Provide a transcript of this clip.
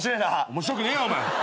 面白くねえよお前。